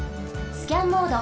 スキャンモード。